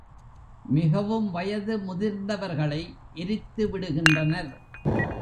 மிகவும் வயது முதிர்ந்தவர்களை எரித்துவிடுகின்றனர்.